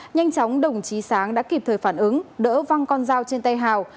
nhanh chóng đồng chí sáng đã kịp thời phản ứng đỡ văng con dao trên tay hào